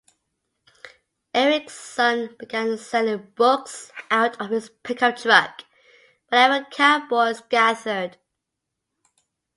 Erickson began selling books out of his pickup truck wherever cowboys gathered.